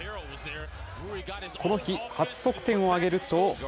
この日、初得点を挙げると。